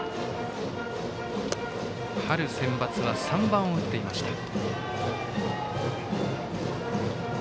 春センバツは３番を打っていました。